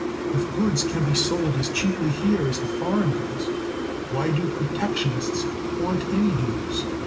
If goods can be sold as cheaply here as the foreign goods, why do protectionists want any duties?